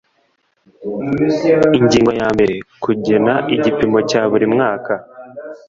ingingo ya mbere kugena igipimo cya buri mwaka